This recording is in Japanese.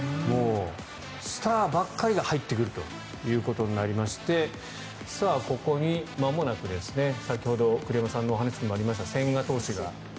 スターばっかりが入ってくるということになりましてここにまもなく、先ほど栗山さんのお話にもありました千賀投手が。